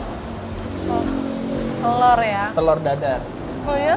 telor ya telor dadar oh ya